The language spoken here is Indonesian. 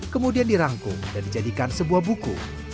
kemudian dirangkum dan dijadikan sebuah buku